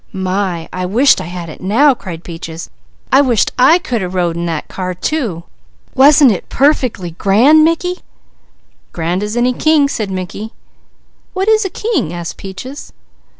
"My, I wisht I had it now!" cried Peaches. "I wisht I could a rode in that car too! Wasn't it perfeckly grand Mickey?" "Grand as any king," said Mickey. "What is a king?" asked Peaches.